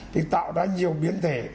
thì tạo ra nhiều biến thể